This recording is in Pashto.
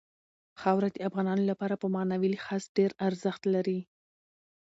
خاوره د افغانانو لپاره په معنوي لحاظ ډېر ارزښت لري.